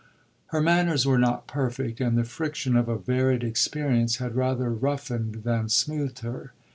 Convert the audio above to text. Her manners were not perfect, and the friction of a varied experience had rather roughened than smoothed her.